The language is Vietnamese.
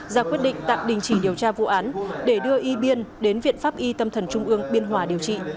ra quyết định tạm đình chỉ điều tra vụ án để đưa y biên đến viện pháp y tâm thần trung ương biên hòa điều trị